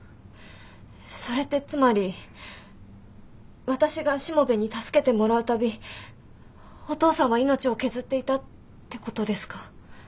それってつまり私がしもべえに助けてもらう度お父さんは命を削っていたってことですか？